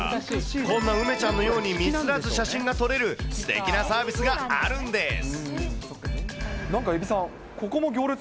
こんな梅ちゃんのように、ミスらず写真が撮れるすてきなサービスなんかえびさん、ここも行列